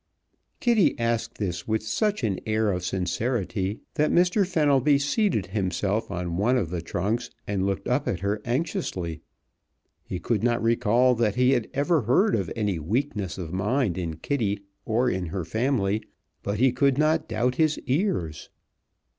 Kitty asked this with such an air of sincerity that Mr. Fenelby seated himself on one of the trunks and looked up at her anxiously. He could not recall that he had ever heard of any weakness of mind in Kitty or in her family, but he could not doubt his ears.